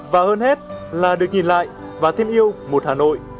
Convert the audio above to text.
và hơn hết là được nhìn lại và thêm yêu một hà nội